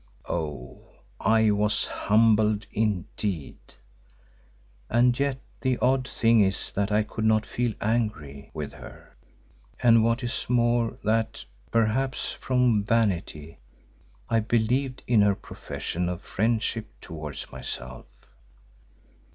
Oh, I was humbled indeed, and yet the odd thing is that I could not feel angry with her, and what is more that, perhaps from vanity, I believed in her profession of friendship towards myself.